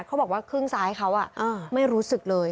เขาบอกว่าครึ่งซ้ายเขาไม่รู้สึกเลย